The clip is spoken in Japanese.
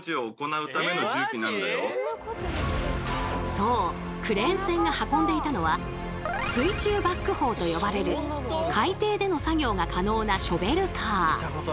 そうクレーン船が運んでいたのは水中バックホウと呼ばれる海底での作業が可能なショベルカー。